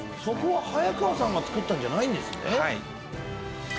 そこは早川さんがつくったんじゃないんですね。